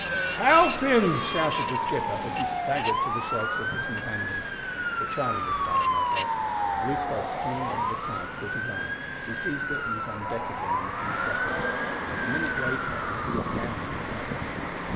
"Help him!" shouted the skipper, as he staggered to the shelter of the companion. But Charlie required no help. A loose rope hanging over the side caught his eye: he seized it and was on deck again in a few seconds. A minute later and he was down in the cabin.